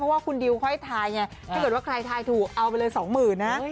ว่าคุณดิวค่อยทายไงถ้าเกิดว่าใครทายถูกเอาไปเลยสองหมื่นนะ